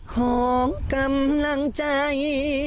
ของกำลังใจ